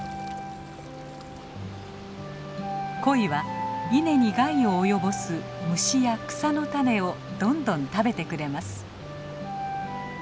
コイは稲に害を及ぼす虫や草の種をどんどん食べてくれます。